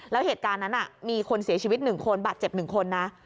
แล้วเหตุการณ์นั้นมีคนเสียชีวิต๑คนบาดเจ็บ๑คนนะ